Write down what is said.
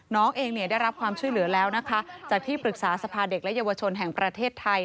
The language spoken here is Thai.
น้องเองเนี่ยได้รับความช่วยเหลือแล้วนะคะจากที่ปรึกษาสภาเด็กและเยาวชนแห่งประเทศไทย